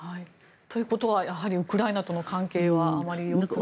ということはウクライナとの関係はあまりよくない。